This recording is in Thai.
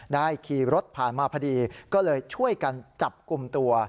ขี่รถผ่านมาพอดีก็เลยช่วยกันจับกลุ่มตัว